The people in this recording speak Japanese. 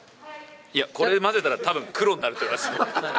いや、これ混ぜたら、たぶん黒になると思います。